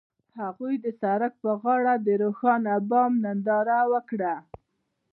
هغوی د سړک پر غاړه د روښانه بام ننداره وکړه.